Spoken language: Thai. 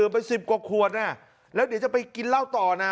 ไป๑๐กว่าขวดแล้วเดี๋ยวจะไปกินเหล้าต่อนะ